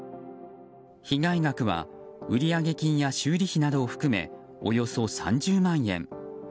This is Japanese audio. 被害額は売上金や修理費などを含めおよそ３０万円。